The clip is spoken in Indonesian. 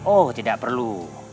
oh tidak perlu